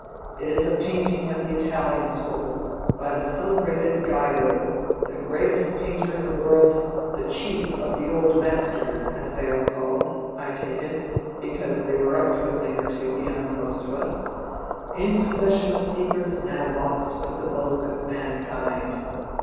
It is a painting of the Italian school—by the celebrated Guydo, the greatest painter in the world, the chief of the Old Masters, as they are called—I take it, because they were up to a thing or two beyond most of us—in possession of secrets now lost to the bulk of mankind.